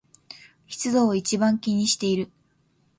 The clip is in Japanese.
湿度を一番気にしている